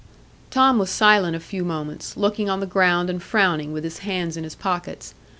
Tom was silent a few moments, looking on the ground and frowning, with his hands in his pockets.